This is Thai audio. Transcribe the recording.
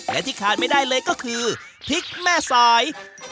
และที่ขาดไม่ได้เลยก็คือพริกแม่สาย